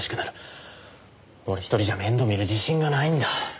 俺一人じゃ面倒見る自信がないんだ。